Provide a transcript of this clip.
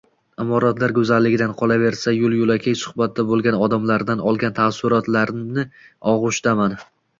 imoratlar goʻzalligidan, qolaversa, yoʻl-yoʻlakay suhbatda boʻlgan odamlardan olgan taassurotlarim ogʻushidaman.